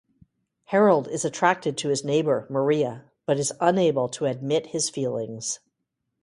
Harold is attracted to his neighbor, Maria, but is unable to admit his feelings.